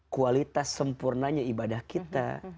kualitas sempurnanya ibadah kita